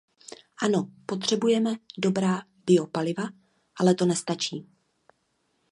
Ano, potřebujeme dobrá biopaliva, ale to nestačí.